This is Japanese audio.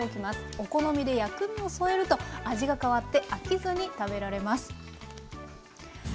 お好みで薬味を添えると味が変わって飽きずに食べられます。